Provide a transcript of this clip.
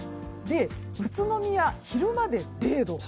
宇都宮、昼間で０度。